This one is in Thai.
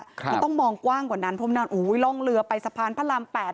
มันต้องมองกว้างกว่านั้นเพราะมันอุ้ยร่องเรือไปสะพานพระราม๘